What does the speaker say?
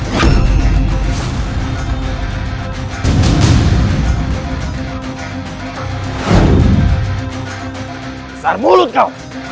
besar mulut kau